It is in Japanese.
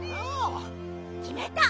きめた。